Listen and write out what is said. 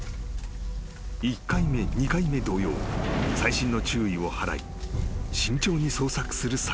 ［１回目２回目同様細心の注意を払い慎重に捜索する斎藤たち］